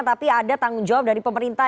tapi ada tanggung jawab dari pemerintah